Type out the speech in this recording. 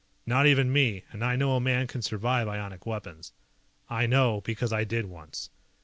Not even me and I know a man can survive ionic weapons. I know because I did once.